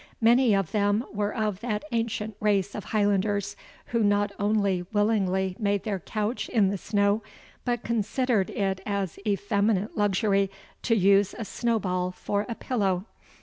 Many of them were of that ancient race of Highlanders, who not only willingly made their couch in the snow, but considered it as effeminate luxury to use a snowball for a pillow.